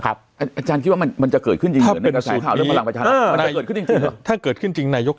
ครับอาจารย์คิดว่ามันจะเกิดขึ้นถ้าเกิดขึ้นจริงนายก